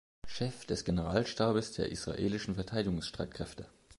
Chef des Generalstabes der Israelischen Verteidigungsstreitkräfte.